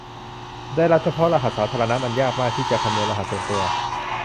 ได้รับเฉพาะรหัสสาธารณะมันยากมากที่จะคำนวณรหัสส่วนตัว